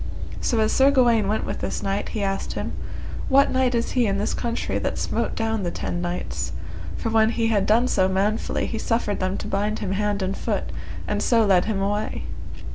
So as Sir Gawaine went with this knight he asked him, What knight is he in this country that smote down the ten knights? For when he had done so manfully he suffered them to bind him hand and foot, and so led him away.